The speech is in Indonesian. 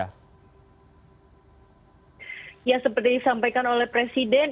ya seperti disampaikan oleh presiden